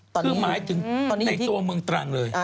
คือหมายถึงในตัวเมืองตรังเลย